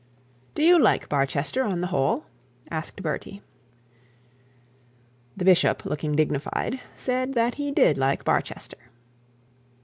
'Do you like Barchester on the whole?' asked Bertie. The bishop, looking dignified, said that he did like Barchester.